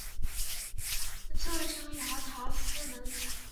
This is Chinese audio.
浙江余姚泗门人。